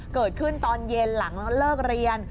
เกิดขึ้นตอนเย็นหลังที่เราเลิกเรียน